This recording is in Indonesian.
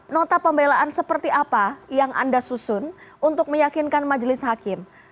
nota pembelaan seperti apa yang anda susun untuk meyakinkan majelis hakim